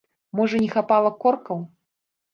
Можа, не хапала коркаў?